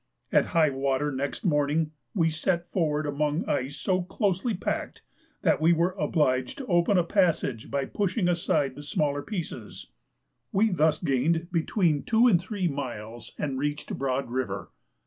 At high water next morning, we set forward among ice so closely packed, that we were obliged to open a passage by pushing aside the smaller pieces; we thus gained between two and three miles and reached Broad River.